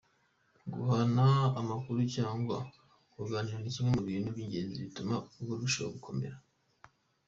Guhana amakuru cyangwa kuganira ni kimwe mu bintu by’ingenzi bituma urugo rurushaho gukomera.